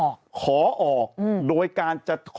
ผมก็กล้ายืนยันว่าไม่มีลองฟังพี่หนุ่มชี้แจงดูนะฮะ